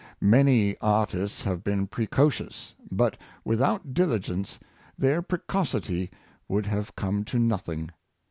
Many artists have been preco cious, but without dilligence their precocity would have come to nothing.